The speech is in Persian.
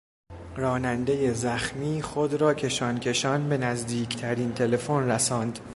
رانندهی زخمی خود را کشانکشان به نزدیکترین تلفن رساند.